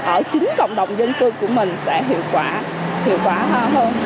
ở chính cộng đồng dân cư của mình sẽ hiệu quả hơn